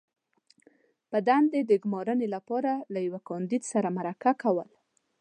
-په دندې د ګمارنې لپاره له یوه کاندید سره مرکه کول